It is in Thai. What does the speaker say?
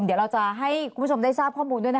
เดี๋ยวเราจะให้คุณผู้ชมได้ทราบข้อมูลด้วยนะ